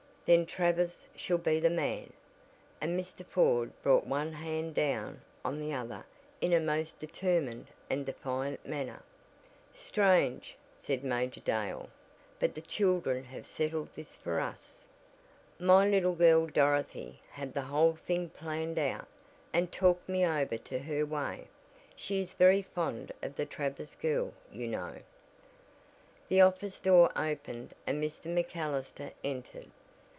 "Then Travers shall be the man!" and Mr. Ford brought one hand down on the other in a most determined, and defiant manner. "Strange," said Major Dale, "but the children have settled this for us. My little girl Dorothy had the whole thing planned out, and talked me over to her way. She is very fond of the Travers girl, you know." The office door opened and Mr. MacAllister entered.